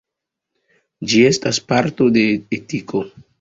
Ĝi estas parto de etiko.